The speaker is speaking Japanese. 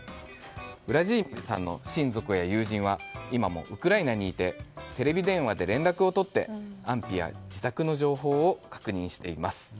ウラジーミルさんの親族や友人は今もウクライナにいてテレビ電話で連絡を取って安否や自宅の情報を確認しています。